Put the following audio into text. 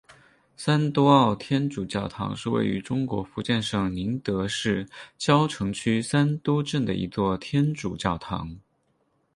三都澳天主教堂是位于中国福建省宁德市蕉城区三都镇的一座天主教堂。